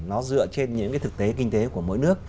nó dựa trên những cái thực tế kinh tế của mỗi nước